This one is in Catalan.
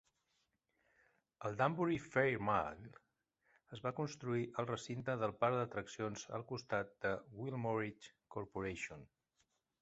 El Danbury Fair Mal es va construir al recinte de parc d'atraccions al costat de la Wilmorite Corporation.